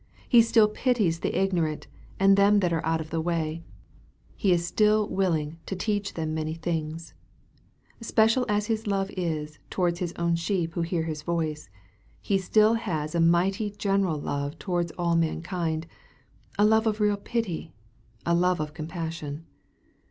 He still pities the ignorant, and them that are out of the way. He is still willing to " teach them many things." Special as His love is towards His own sheep who hear His voice, He still has a mighty general love towards all mankind a love of real pity, a love of compassion.